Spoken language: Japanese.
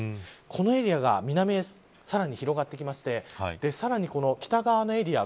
このエリアが南へさらに広がってきてさらに、この北側のエリア